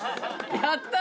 やったー！